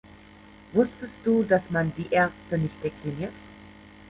Wusstest du, dass man "Die Ärzte" nicht dekliniert?